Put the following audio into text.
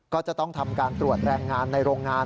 ก็จะต้องทำการตรวจแรงงานในโรงงาน